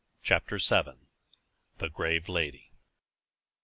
CHAPTER VII. THE GRAVE LADY.